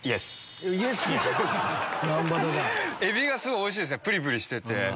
エビがすごいおいしいプリプリしてて。